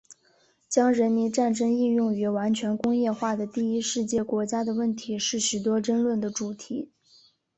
将人民战争应用于完全工业化的第一世界国家的问题是许多争论的主题。